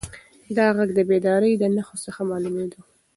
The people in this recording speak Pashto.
دا غږ د بیدارۍ د نښو څخه معلومېده.